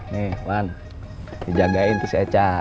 nih wan dijagain tuh si eca